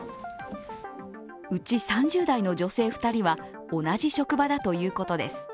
うち３０代の女性２人は同じ職場だということです。